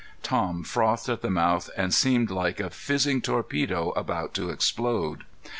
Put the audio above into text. Tom frothed at the mouth and seemed like a fizzing torpedo about to explode.